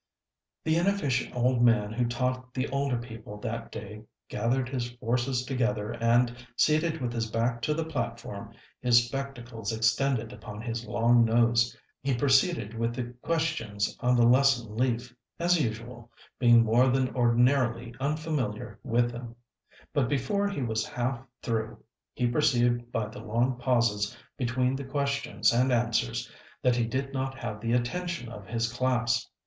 The inefficient old man who taught the older people that day gathered his forces together and, seated with his back to the platform, his spectacles extended upon his long nose, he proceeded with the questions on the lesson leaf, as usual, being more than ordinarily unfamiliar with them; but before he was half through he perceived by the long pauses between the questions and answers that he did not have the attention of his class.